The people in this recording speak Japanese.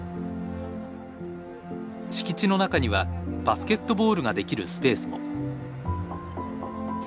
敷地の中にはバスケットボールができるスペースも。